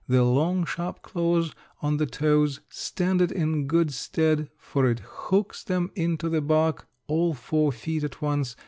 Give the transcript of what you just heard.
The long, sharp claws on the toes stand it in good stead, for it hooks them into the bark, all four feet at once.